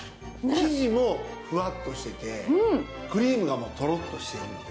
生地もふわっとしててクリームがとろっとしてるので。